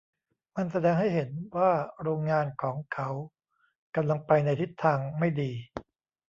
มันแสดงให้เห็นว่าโรงงานของเขากำลังไปในทิศทางไม่ดี